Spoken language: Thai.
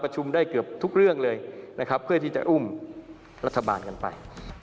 จะอุ้มรัฐบาลกันไป